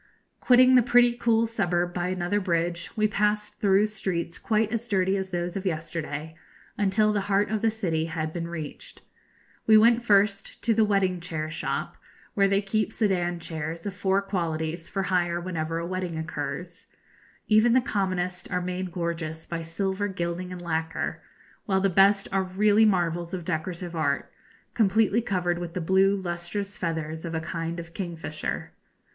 Quitting the pretty cool suburb by another bridge, we passed through streets quite as dirty as those of yesterday, until the heart of the city had been reached. We went first to the wedding chair shop, where they keep sedan chairs, of four qualities, for hire whenever a wedding occurs. Even the commonest are made gorgeous by silver gilding and lacquer, while the best are really marvels of decorative art, completely covered with the blue lustrous feathers of a kind of kingfisher.